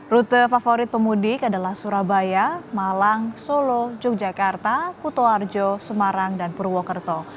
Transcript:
rute favorit pemudik adalah surabaya malang solo yogyakarta kutoarjo semarang dan purwokerto